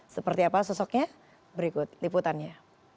seperti apa sosoknya berikut liputannya